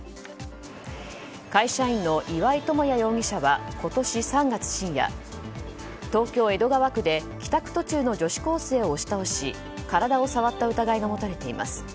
会社員の岩井容疑者は今年３月深夜、東京・江戸川区で帰宅途中の女子高生を押し倒し体を触った疑いが持たれています。